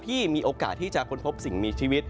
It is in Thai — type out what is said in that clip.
มีโอกาสที่จะค้นพบสิ่งมีชีวิต